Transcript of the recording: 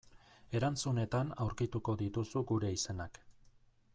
Erantzunetan aurkituko dituzu gure izenak.